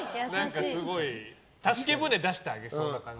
助け舟出してあげそうな感じ。